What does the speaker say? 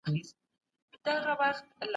که نوي دلایل پیدا سی نو خپله نظریه بدله کړئ.